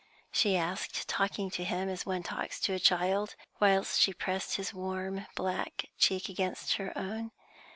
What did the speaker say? she asked, talking to him as one talks to a child, whilst she pressed his warm black cheek against her own.